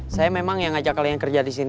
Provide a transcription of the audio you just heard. saya memang yang ngajak kalian kerja disini